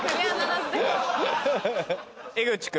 江口君。